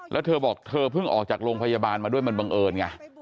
แล้วเธอบอกเธอเพิ่งออกจากโรงพยาบาลมาด้วยมันบังเอิญไง